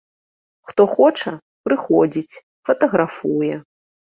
Хто хоча, прыходзіць, фатаграфуе.